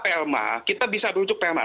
permanya kita bisa berujuk perma